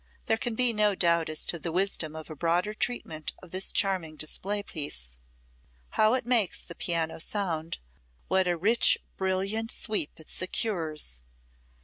There can be no doubt as to the wisdom of a broader treatment of this charming display piece. How it makes the piano sound what a rich, brilliant sweep it secures!